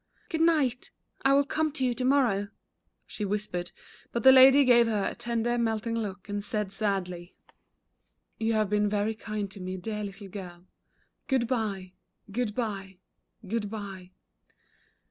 "Good night, I will come to you to morrow," she whispered, but the Lady gave her a tender, melting look, and said sadly: 236 The Lady of Snow. "You have been very kind to me, dear little girl. Good bye, good bye, good bye."